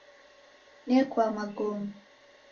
Nekwa magome